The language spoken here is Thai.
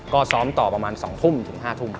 ก็ซ้อมต่อประมาณ๒ทุ่มถึง๕ทุ่ม